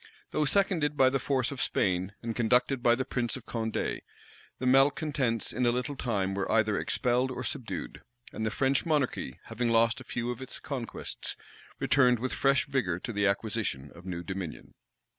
Though seconded by the force of Spain, and conducted by the prince of Condé, the malecontents in a little time were either expelled or subdued; and the French monarchy, having lost a few of its conquests, returned with fresh vigor to the acquisition of new dominion.